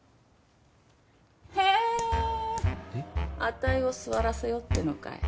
あたいを座らせようってのかい？